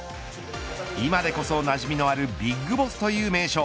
今でこそなじみのあるＢＩＧＢＯＳＳという名称。